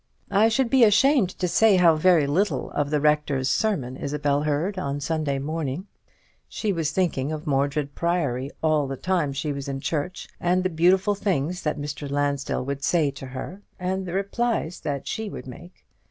I should be ashamed to say how very little of the Rector's sermon Isabel heard on Sunday morning. She was thinking of Mordred Priory all the time she was in church, and the beautiful things that Mr. Lansdell would say to her, and the replies that she would make.